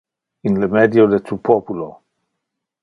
In le medio de tu populo.